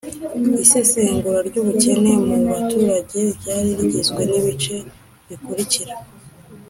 isesengura ry'ubukene mu baturage ryari rigizwe n'ibice bikurikira: